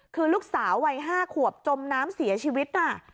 คือลูกสาววัย๕ขวบจมน้ำเสียชีวิตน่ะ